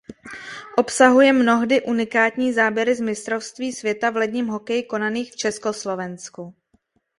Obsahuje mnohdy unikátní záběry z mistrovství světa v ledním hokeji konaných v Československu.